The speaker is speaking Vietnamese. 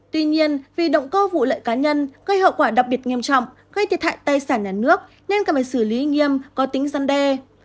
tuy nhiên vì động cơ vụ lợi cá nhân gây hậu quả đặc biệt nghiêm trọng gây thiệt hại tài sản nhà nước nên cần phải xử lý nghiêm có tính dân đe